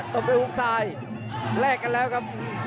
ตบด้วยฮุกซ้ายแลกกันแล้วครับ